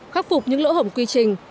khắc phục những lỗ hổng quy trình